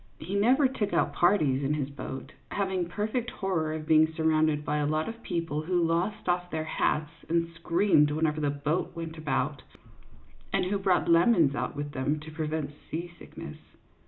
He never took out parties in his boat, having a perfect horror of being surrounded by a lot of people who lost off their hats and screamed whenever the boat went about, and who brought lemons out with them to prevent seasickness.